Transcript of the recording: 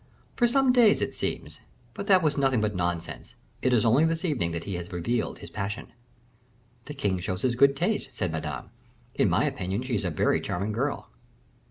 "For some days, it seems. But that was nothing but nonsense; it is only this evening that he has revealed his passion." "The king shows his good taste," said Madame; "in my opinion she is a very charming girl."